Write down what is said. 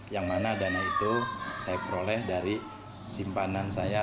yang mana dana itu saya peroleh dari simpanan saya